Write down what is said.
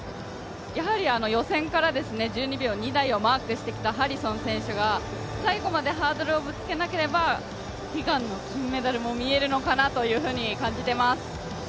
やはり予選から１２秒２台をマークしてきたハリソン選手が最後までハードルをぶつけなければ悲願の金メダルも見えるのかなと感じています。